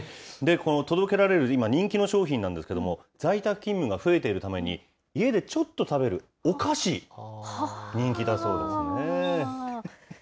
この届けられる、今、人気の商品なんですけれども、在宅勤務が増えているために、家でちょっと食べるお菓子、人気だそうですね。